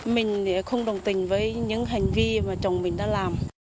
mình không đồng tình với những hành vi mà chồng mình đã làm